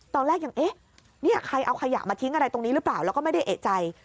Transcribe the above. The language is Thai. ตอนแรกยังเอ๊ะนี่ใครเอาขยะมาทิ้งอะไรตรงนี้หรือเปล่าแล้วก็ไม่ได้เอกใจ